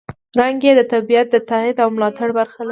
رنګ یې د طبیعت د تاييد او ملاتړ برخه لري.